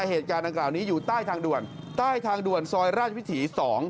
เหตุการณ์ดังกล่าวนี้อยู่ใต้ทางด่วนใต้ทางด่วนซอยราชวิถี๒